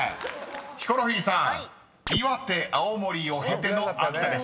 ［ヒコロヒーさん「岩手」「青森」を経ての「秋田」でしたね］